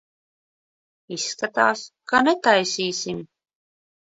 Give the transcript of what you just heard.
Izskatās, ka netaisīsim.